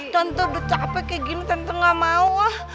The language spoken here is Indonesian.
contoh udah capek kayak gini tante gak mau